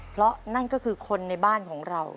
เพราะนั่นก็คือคนในบ้านของเรา